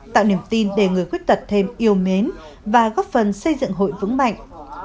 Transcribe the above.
tạo niềm tin để người khuyết tật thêm yêu mến và góp phần xây dựng hội vững mạnh